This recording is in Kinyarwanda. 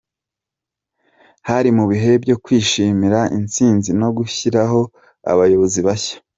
Hari mu bihe byo kwishimira intsinzi no gushyiraho abayobozi bashya.